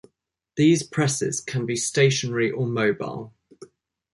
These presses can be stationary or mobile.